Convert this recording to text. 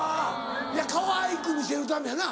いやかわいく見せるためやな。